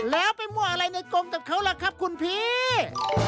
แล้วไปมั่วอะไรในกรมกับเขาล่ะครับคุณพี่